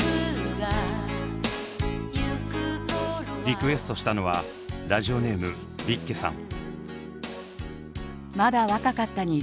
リクエストしたのはラジオネームびっけさん。